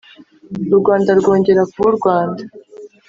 u rwanda rwongera kuba u rwanda